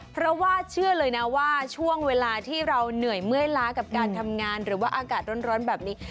เพราะว่าเชื่อเลยนะว่าช่วงเวลาที่เราเหนื่อยเมื่อยล้ากับการทำงานหรือว่าอากาศร้อนแบบนี้